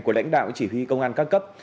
của lãnh đạo chỉ huy công an các cấp